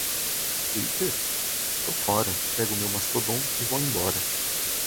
Twitter? Tô fora, pego o meu Mastodon e vou embora.